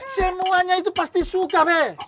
semuanya itu pasti suka re